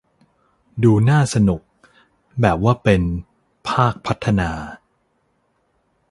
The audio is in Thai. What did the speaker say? ดูน่าสนุก แบบว่าเป็น ภาคพัฒนา